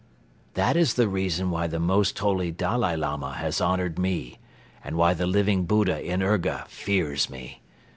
This is the reason why the Most Holy Dalai Lama has honored me and why the Living Buddha in Urga fears me.